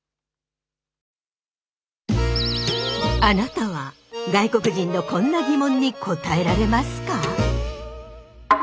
あなたは外国人のこんなギモンに答えられますか？